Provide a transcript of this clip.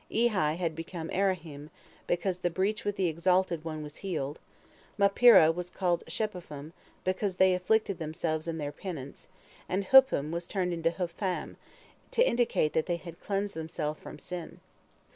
Ehi had become Ahiram, because the breach with the "Exalted" One was healed; Muppira was called Shephupham, because they "afflicted" themselves in their penance; and Huppim was turned into Hupham, to indicate that they had "cleansed" themselves from sin.